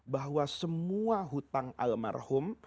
bahwa semua hutang almarhum